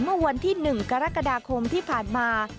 เมื่อวันที่๑กรกฎาคมที่ผ่านมา